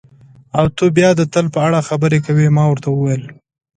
او ته بیا د تل په اړه خبرې کوې، ما ورته وویل.